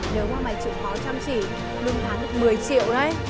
nếu mà mày chịu khó chăm chỉ đương trả được một mươi triệu đấy